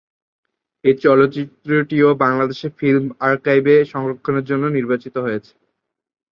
এই চলচ্চিত্রটিও বাংলাদেশ ফিল্ম আর্কাইভে সংরক্ষণের জন্য নির্বাচিত হয়েছে।